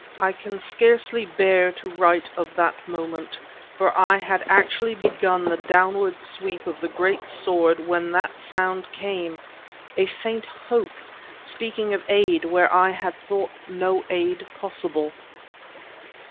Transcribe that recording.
I can scarcely bear to write of that moment, for I had actually begun the downward sweep of the great sword when that sound came a faint Hope, speaking of aid where I had thought no aid possible.